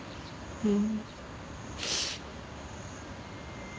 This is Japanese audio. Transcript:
うん。